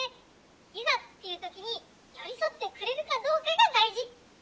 いざっていう時に寄り添ってくれるかどうかが大事！